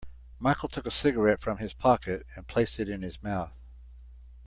Michael took a cigarette from his pocket and placed it in his mouth.